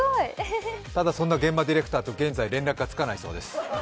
ただ、今、そんな弦間ディレクターと連絡がつかないそうです。